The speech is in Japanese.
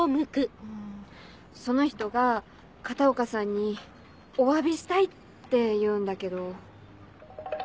その人が片岡さんにお詫びしたいって言うんだけど。